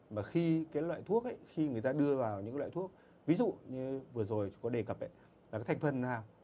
và khi cái loại thuốc ấy khi người ta đưa vào những loại thuốc ví dụ như vừa rồi có đề cập là cái thành phần nào